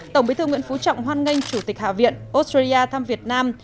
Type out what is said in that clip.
tổng bí thư nguyễn phú trọng hoan nghênh chủ tịch hạ viện australia thăm việt nam